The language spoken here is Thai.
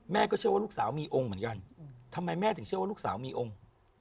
เชื่อว่าลูกสาวมีองค์เหมือนกันทำไมแม่ถึงเชื่อว่าลูกสาวมีองค์